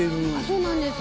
そうなんです